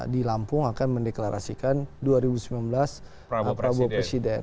di lampung akan mendeklarasikan dua ribu sembilan belas prabowo presiden